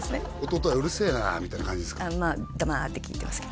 弟は「うるせえな」みたいな感じですか？